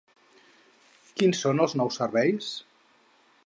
Quins són els nous serveis?